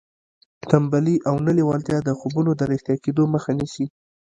تنبلي او نه لېوالتیا د خوبونو د رښتیا کېدو مخه نیسي